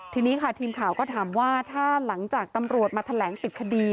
ทีนี้ค่ะทีมข่าวก็ถามว่าถ้าหลังจากตำรวจมาแถลงปิดคดี